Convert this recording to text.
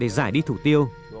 để giải đi thủ tiêu